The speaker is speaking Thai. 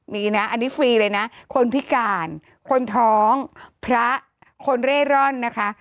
นี่นะอันนี้ฟรีเลยนะคนพิการคนท้องพระคนเร่ร่อนนะคะ